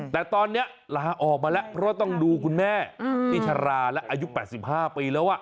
แต่ตอนนี้ลาออกมาแล้วเพราะว่าต้องดูคุณแม่ที่ชราและอายุ๘๕ปีแล้ว